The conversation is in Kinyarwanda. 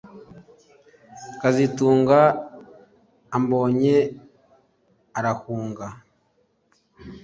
kazitunga ambonye arahunga